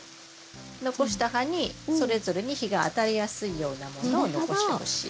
残した葉にそれぞれに日が当たりやすいようなものを残してほしい。